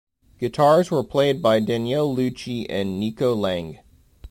Guitars were played by Daniele Lucci and Nico Lange.